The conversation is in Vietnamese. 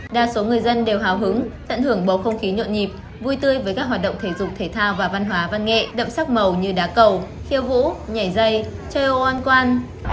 đa số người dân đều hào hứng tận hưởng bầu không khí nhộn nhịp vui tươi với các hoạt động thể dục thể thao và văn hóa văn nghệ đậm sắc màu như đá cầu khiêu vũ nhảy dây treo an quan